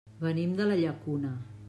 Venim de la Llacuna.